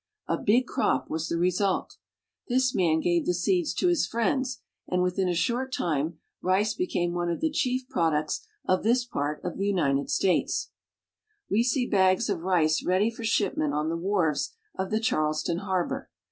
A big crop was the result. This man gave the seeds to his friends, and within a short time rice became one of the chief products of this part of the United States. A Street in Charleston. We see bags of rice ready for shipment on the wharves of the Charleston harbor.